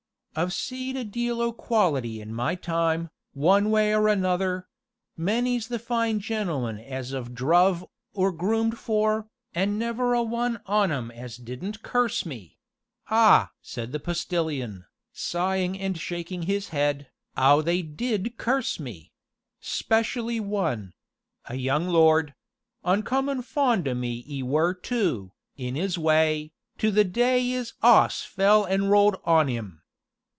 "I've seed a deal o' the quality in my time, one way or another many's the fine gentleman as I've druv, or groomed for, an' never a one on 'em as didn't curse me ah!" said the Postilion, sighing and shaking his head, "'ow they did curse me! 'specially one a young lord oncommon fond o' me 'e were too, in 'is way, to the day 'is 'oss fell an' rolled on 'im.